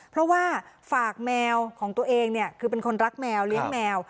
เพราะว่าฝากแมวของตัวเองคือเป็นคนรักแมวเลี้ยงแมว